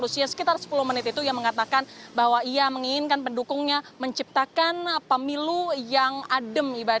usia sekitar sepuluh menit itu yang mengatakan bahwa ia menginginkan pendukungnya menciptakan pemilu yang adem